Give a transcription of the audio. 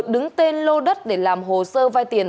đứng tên lô đất để làm hồ sơ vai tiền